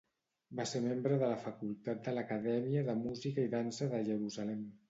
Va ser membre de la facultat de l'Acadèmia de Música i Dansa de Jerusalem.